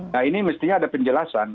nah ini mestinya ada penjelasan